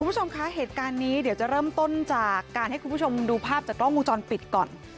คุณผู้ชมคะเหตุการณ์นี้เดี๋ยวจะเริ่มต้นจากการให้คุณผู้ชมดูภาพจากกล้องวงจรปิดก่อน